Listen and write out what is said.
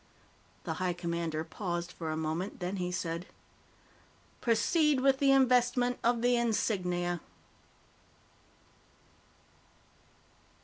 The High Commander paused for a moment, then he said: "Proceed with the investment of the insignia."